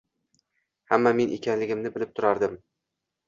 «Hamma» men ekanligimni bilib turardim.